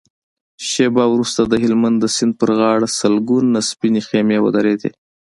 شېبه وروسته د هلمند د سيند پر غاړه سلګونه سپينې خيمې ودرېدې.